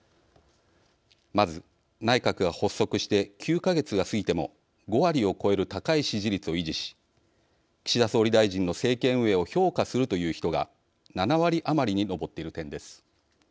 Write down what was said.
まず、内閣が発足して９か月が過ぎても５割を超える高い支持率を維持し岸田総理大臣の政権運営を評価するという人が７割余りに上っている点です。